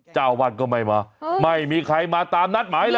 เจ้าวัดก็ไม่มาไม่มีใครมาตามนัดหมายเลย